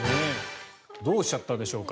どうしちゃったんでしょうか。